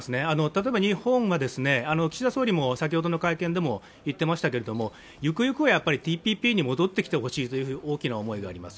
例えば日本は岸田総理が先ほどの会見でも言ってましたがゆくゆくはＴＰＰに戻ってきてほしいという大きな思いがあります。